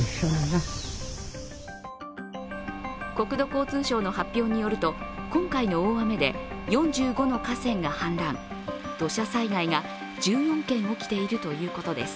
国土交通省の発表によると、今回の大雨で４５の河川が氾濫、土砂災害が１４件起きているということです。